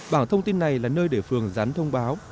bảng thông tin này là nơi để phường gián thông báo